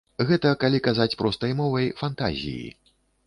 Гэта, калі казаць простай мовай, фантазіі.